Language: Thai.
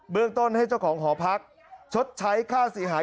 เรื่องต้นให้เจ้าของหอพักชดใช้ค่าเสียหาย